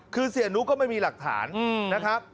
คือเสียนุก็ไม่มีหลักฐานนะครับ